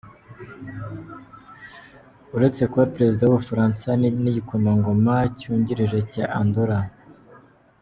Uretse kuba perezida w’ubufaransa ni n’igikomangoma cyungirije cya Andorra.